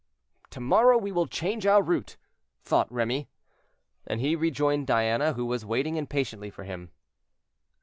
"To morrow we will change our route," thought Remy. And he rejoined Diana, who was waiting impatiently for him.